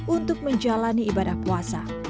untuk menjalani ibadah puasa